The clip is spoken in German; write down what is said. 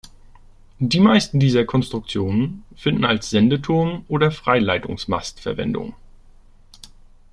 Die meisten dieser Konstruktionen finden als Sendeturm oder Freileitungsmast Verwendung.